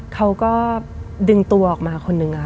เขาก็ดึงตัวออกมาคนนึงค่ะ